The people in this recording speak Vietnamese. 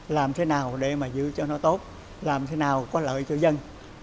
làm thế nào để mà giữ cho nó tốt làm thế nào có lợi cho dân